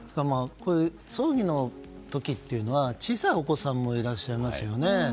葬儀の時は小さいお子さんもいらっしゃいますよね。